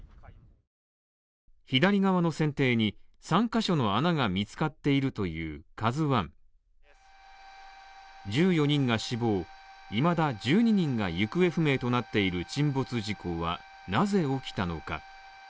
左側の船底に３ヶ所の穴が見つかっているという「ＫＡＺＵ１」１４人が死亡、いまだ１２人が行方不明となっている沈没事故はなぜ起きたのか。